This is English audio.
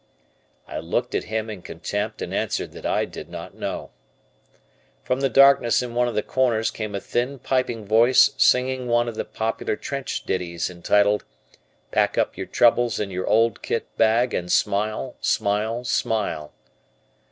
I looked at him in contempt, and answered that I did not know. From the darkness in one of the corners came a thin, piping voice singing one of the popular trench ditties entitled: "Pack up your Troubles in your Old Kit Bag, and Smile, Smile, Smile."